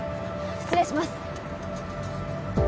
失礼します